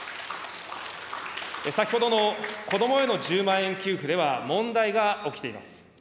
先ほどの子どもへの１０万円給付では問題が起きています。